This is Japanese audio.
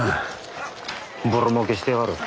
ボロもうけしてやがる。